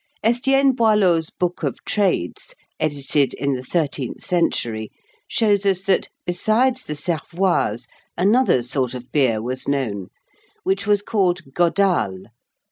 Estienne Boileau's "Book of Trades," edited in the thirteenth century, shows us that, besides the cervoise, another sort of beer was known, which was called godale.